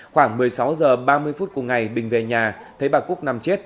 khoảng một mươi sáu h ba mươi phút cùng ngày bình về nhà thấy bà cúc nằm chết